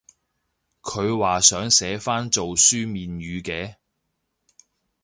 佢話想寫返做書面語嘅？